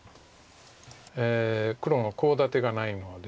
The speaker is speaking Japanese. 黒のコウ立てがないので。